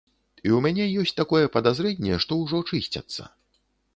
І ў мяне ёсць такое падазрэнне, што ўжо чысцяцца.